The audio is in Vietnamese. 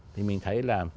thì mình thấy là